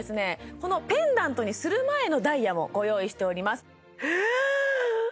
このペンダントにする前のダイヤをご用意しております